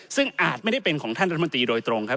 ซึ่งอาจไม่ได้เป็นของท่านรัฐมนตรีโดยตรงครับ